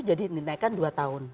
jadi dinaikkan dua tahun